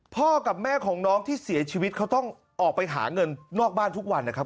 พ่อกับแม่ของน้องที่เสียชีวิตเขาต้องออกไปหาเงินนอกบ้านทุกวันนะครับ